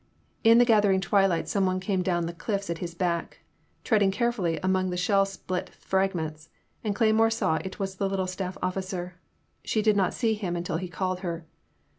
In the gathering twilight someone came down the clifis at his back, treading carefully among the shellsplit fragments, and Cleymore saw it was the little staff officer. She did not see him until he called her.